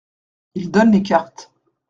Il donne les cartes.